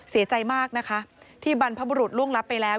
เสียใจมากนะคะที่บรรพบุรุษล่วงรับไปแล้ว